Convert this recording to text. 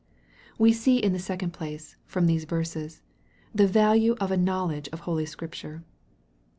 We see, in the second place, from these verses, the value of a knowledge of holy Scripture.